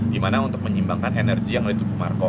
dimana untuk menyeimbangkan energi yang ada di tubuh marco